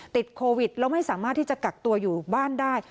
ติดโควิดแล้วไม่สามารถที่จะกักตัวอยู่บ้านได้